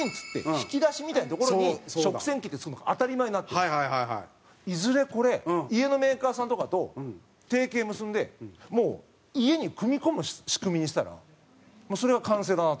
土田：いずれ、これ家のメーカーさんとかと提携結んでもう、家に組み込む仕組みにしたらもう、それが完成だなと。